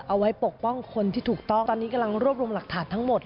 เอาไว้ปกป้องคนที่ถูกต้องตอนนี้กำลังรวบรวมหลักฐานทั้งหมด